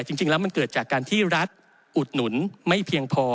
จริงแล้วมันเกิดจากการที่รัฐอุดหนุนไม่เพียงพอ